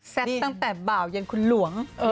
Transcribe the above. แซ่บตั้งแต่เบาเย็นคุณหลวง